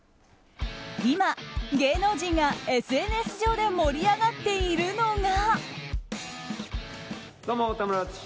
今、芸能人がＳＮＳ上で盛り上がっているのが。